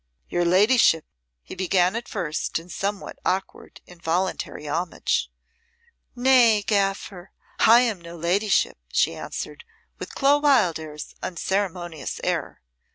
"Your ladyship," he began at first, in somewhat awkward, involuntary homage. "Nay, gaffer, I am no ladyship," she answered, with Clo Wildairs's unceremonious air.